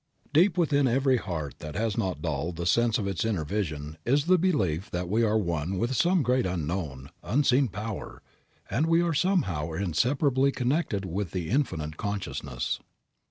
"Deep within every heart that has not dulled the sense of its inner vision is the belief that we are one with some great unknown, unseen power; and that we are somehow inseparably connected with the Infinite Consciousness."